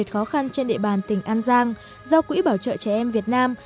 khó khăn trên địa bàn tỉnh an giang do quỹ bảo trợ trẻ em việt nam